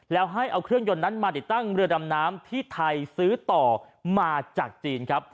แล้วให้เอาเครื่องยนต์นั้นมาติดตั้งเรือดำน้ำที่ไทยซื้อต่อมาจากจีนครับ